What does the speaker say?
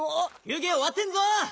休憩終わってんぞ！